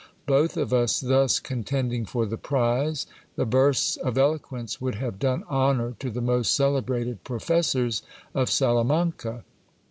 Both of us thus contending for the prize, the bursts of eloquence would have done honour to the most celebrated professors of Sala manca.